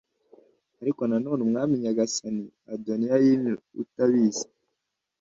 Ariko none mwami nyagasani, Adoniya yimye utabizi.